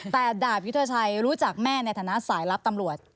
แต่ดาบยุทธชัยรู้จักแม่ในฐานะสายลับตำรวจ